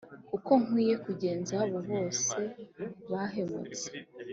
Uko nkwiye kugenza abo bose bahemutse.